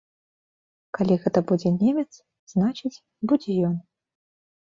Калі гэта будзе немец, значыць, будзе ён.